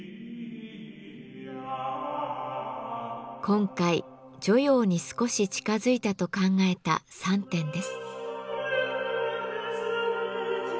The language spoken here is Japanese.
今回汝窯に少し近づいたと考えた３点です。